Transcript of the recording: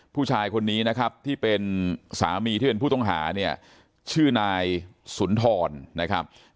ผู้ชายคนนี้นะครับที่เป็นสามีที่เป็นผู้ต้องหาเนี่ยชื่อนายสุนทรนะครับ